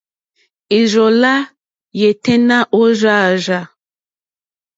Ì rzô lá yêténá ò rzá àrzá.